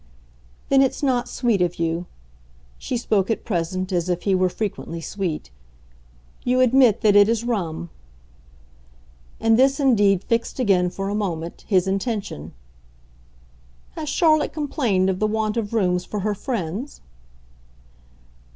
"Then it's not sweet of you." She spoke at present as if he were frequently sweet. "You admit that it is 'rum.'" And this indeed fixed again, for a moment, his intention. "Has Charlotte complained of the want of rooms for her friends?"